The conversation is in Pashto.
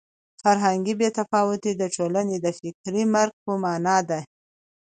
فرهنګي بې تفاوتي د ټولنې د فکري مرګ په مانا ده.